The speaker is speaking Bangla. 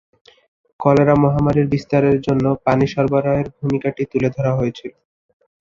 কলেরা মহামারীর বিস্তারের জন্য পানি সরবরাহের ভূমিকাটি তুলে ধরা হয়েছিল।